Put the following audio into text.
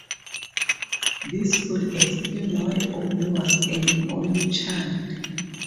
This could explain why Opie was an only child.